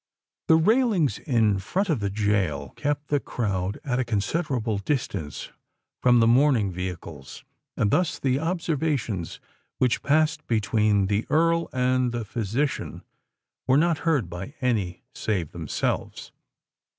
The railings in front of the gaol kept the crowd at a considerable distance from the mourning vehicles; and thus the observations which passed between the Earl and the physician were not heard by any save themselves.